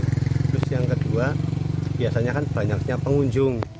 terus yang kedua biasanya kan banyaknya pengunjung